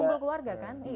kumpul keluarga kan